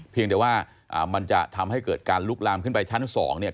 เพียงแต่ว่ามันจะทำให้เกิดการลุกลามขึ้นไปชั้นสองเนี่ย